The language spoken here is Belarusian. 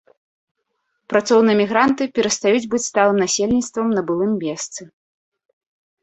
Працоўныя мігранты перастаюць быць сталым насельніцтвам на былым месцы.